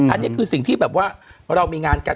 อันนี้คือสิ่งที่แบบว่าเรามีงานกัน